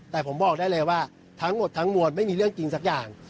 แต่ผมบอกได้เลยว่าทั้งหมดทั้งมวลไม่มีเรื่องจริงสักอย่าง